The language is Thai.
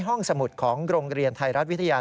สมุดของโรงเรียนไทยรัฐวิทยา